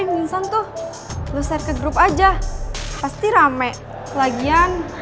anjutan deh ave lebih kuat cuman